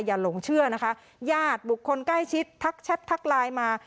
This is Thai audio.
หลงเชื่อนะคะญาติบุคคลใกล้ชิดทักแชททักไลน์มา